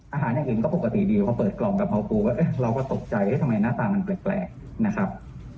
อาหารอย่างอื่นก็ปกติดีพอเปิดกล่องแบบพอปูก็เอ๊ะเราก็ตกใจเอ๊ะทำไมหน้าตามันแปลกนะครับ